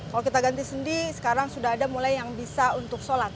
kalau kita ganti sendi sekarang sudah ada mulai yang bisa untuk sholat